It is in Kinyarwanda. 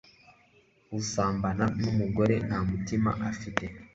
Usambana numugore nta mutima afite